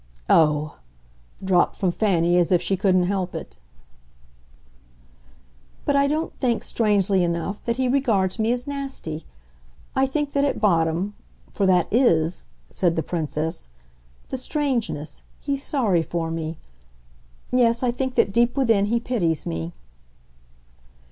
"Oh!" dropped from Fanny as if she couldn't help it. "But I don't think strangely enough that he regards me as nasty. I think that at bottom for that IS," said the Princess, "the strangeness he's sorry for me. Yes, I think that, deep within, he pities me."